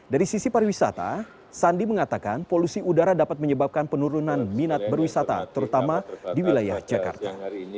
dari sisi pariwisata sandi mengatakan polusi udara dapat menyebabkan penurunan minat berwisata terutama di wilayah jakarta